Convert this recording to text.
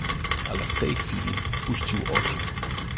"Ale w tej chwili spuścił oczy."